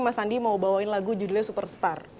mas andi mau bawain lagu judulnya superstar